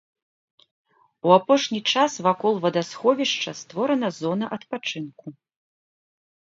У апошні час вакол вадасховішча створана зона адпачынку.